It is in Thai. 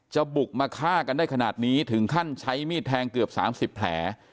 บุกมาฆ่ากันได้ขนาดนี้ถึงขั้นใช้มีดแทงเกือบ๓๐แผล